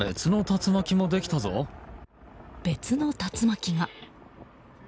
別の竜巻が。